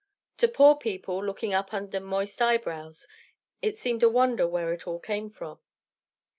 To poor people, looking up under moist eyebrows, it seemed a wonder where it all came from.